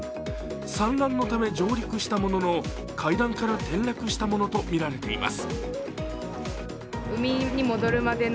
産卵のため上陸したものの会談から転落したものとみられています。